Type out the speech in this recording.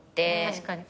確かに。